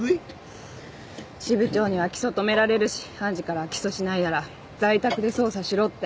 支部長には起訴止められるし判事からは起訴しないなら在宅で捜査しろって。